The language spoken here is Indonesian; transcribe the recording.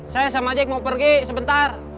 saya sama jack mau pergi sebentar